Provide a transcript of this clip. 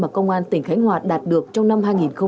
công an tỉnh khánh hòa đạt được trong năm hai nghìn hai mươi hai